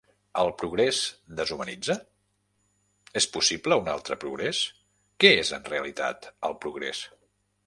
El progrés deshumanitza? És possible un altre progrés? Què és, en realitat, el progrés?